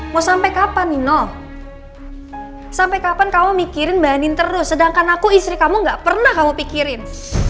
mau sampai kapan nino sampai kapan kamu mikirin mbak andien terus sedangkan aku istri kamu enggak pernah kamu pikirin